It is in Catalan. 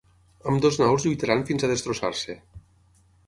Ambdues naus lluitaran fins a destrossar-se.